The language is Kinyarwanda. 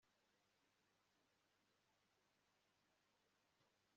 ntabwo ari byiza kujya impaka